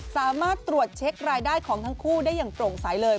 สามารถตรวจเช็ครายได้ของทั้งคู่ได้อย่างโปร่งใสเลย